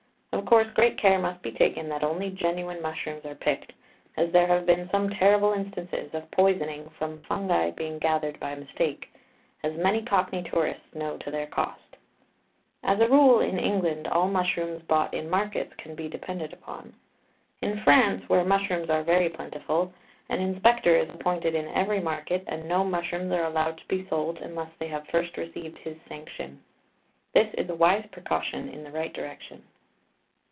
Of course, great care must be taken that only genuine mushrooms are picked, as there have been some terrible instances of poisoning from fungi being gathered by mistake, as many Cockney tourists know to their cost. As a rule, in England all mushrooms bought in markets can be depended upon. In France, where mushrooms are very plentiful, an inspector is appointed in every market, and no mushrooms are allowed to be sold unless they have first received his sanction. This is a wise precaution in the right direction.